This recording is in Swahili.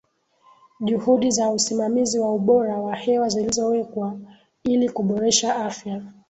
juhudi za usimamizi wa ubora wa hewa zilizowekwa ili kuboresha afya